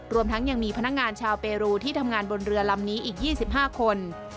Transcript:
รวมทั้งยังมีพนักงานชาวเปรูที่ทำงานบนเรือลำนี้อีก๒๕คน